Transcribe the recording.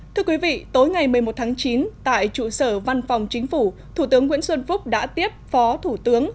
thưa quý vị tối ngày một mươi một tháng chín tại trụ sở văn phòng chính phủ thủ tướng nguyễn xuân phúc đã tiếp phó thủ tướng